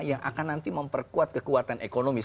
yang akan nanti memperkuat kekuatan ekonomi